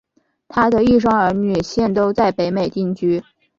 她的一双儿女现都在北美定居。